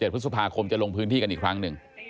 พฤษภาคมจะลงพื้นที่กันอีกครั้งหนึ่ง